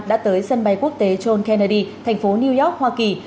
đã tới sân bay quốc tế john kennedy thành phố new york hoa kỳ